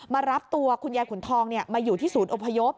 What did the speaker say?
มารับตัวคุณยายขุนทองมาอยู่ที่ศูนย์อพยพ